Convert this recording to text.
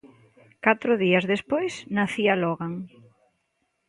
Catro días despois nacía Logan.